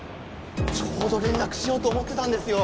ちょうど連絡しようと思ってたんですよ。